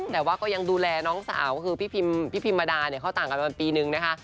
แต่ว่าก็ยังดูแลน้องสาวคือพี่พิมมาดาเนี่ยเขาต่างกันประมาณปีนึงนะคะ